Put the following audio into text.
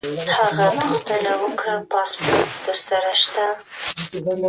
د افغانستان جغرافیه کې اوړي ستر اهمیت لري.